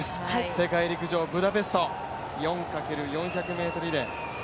世界陸上ブダペスト４×４００ｍリレー。